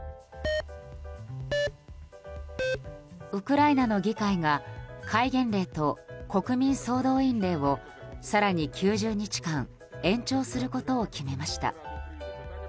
ウクライナの議会が戒厳令と国民総動員令を更に９０日間延長することを決めました。